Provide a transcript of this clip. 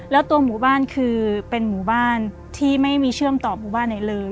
แล้วตัวหมู่บ้านคือเป็นหมู่บ้านที่ไม่มีเชื่อมต่อหมู่บ้านไหนเลย